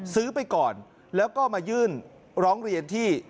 ไปก่อนแล้วก็มายื่นร้องเรียนที่